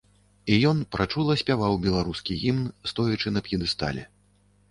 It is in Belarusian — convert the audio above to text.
І ён прачула спяваў беларускі гімн, стоячы на п'едэстале.